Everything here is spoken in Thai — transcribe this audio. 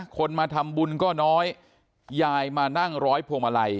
คนมาทำบุญก็น้อยยายมานั่งร้อยพวงมาลัย